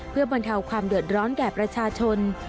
เพื่อบรรเทาความเดือดร้อนแก่ประชาชน